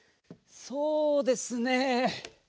そうですね